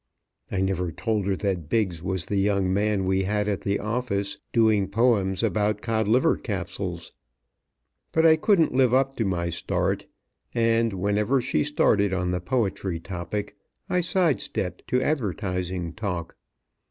I never told her that Biggs was the young man we had at the office doing poems about the Codliver Capsules, but I couldn't live up to my start; and, whenever she started on the poetry topic, I side stepped to advertising talk.